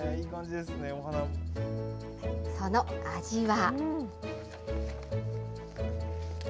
その味は。